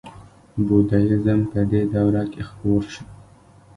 بودیزم په دې دوره کې خپور شو